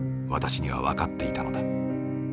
私には分かっていたのだ。